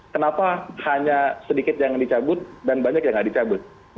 kenapa hanya sedikit yang dicabut dan banyak yang nggak dicabut